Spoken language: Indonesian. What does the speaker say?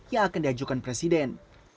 yang akan diajukan presiden